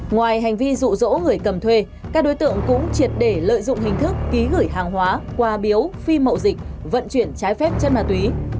ngoài hành vi rụ rỗ người cầm thuê các đối tượng cũng triệt để lợi dụng hình thức ký gửi hàng hóa qua biếu phi mậu dịch vận chuyển trái phép chất ma túy